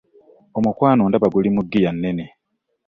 Omukwano ndaba guli mu ggiya nnene.